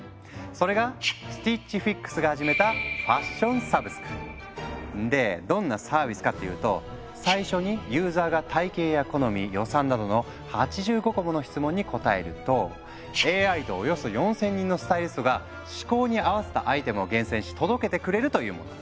それがスティッチ・フィックスが始めたでどんなサービスかっていうと最初にユーザーが体型や好み予算などの８５個もの質問に答えるとＡＩとおよそ４，０００人のスタイリストが嗜好に合わせたアイテムを厳選し届けてくれるというもの。